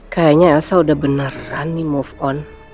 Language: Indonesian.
kayaknya elsa udah beneran nih move on